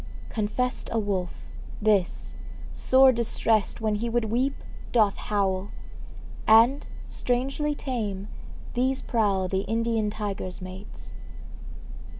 Confessed A wolf, this, sore distressed When he would weep, doth howl; And, strangely tame, these prowl The Indian tiger's mates.